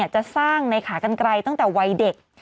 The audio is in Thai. จะสร้างในขากันไกลตั้งแต่วัยเด็ก